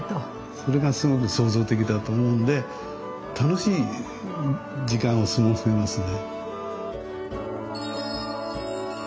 それがすごく創造的だと思うんで楽しい時間を過ごせますね。